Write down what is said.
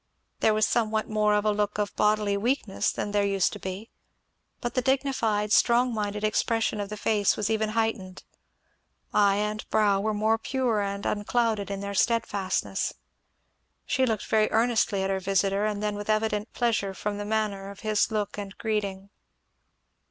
There was somewhat more of a look of bodily weakness than there used to be; but the dignified, strong minded expression of the face was even heightened; eye and brow were more pure and unclouded in their steadfastness. She looked very earnestly at her visiter and then with evident pleasure from the manner of his look and greeting.